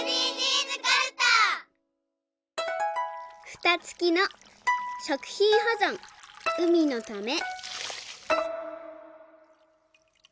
「ふたつきの食品ほぞん海のため」。